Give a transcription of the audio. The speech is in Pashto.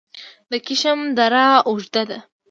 د کشم دره اوږده ده